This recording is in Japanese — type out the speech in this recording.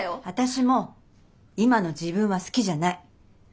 私も今の自分は好きじゃない。